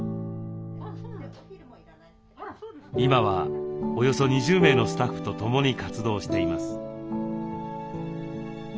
今はおよそ２０名のスタッフと共に活動しています。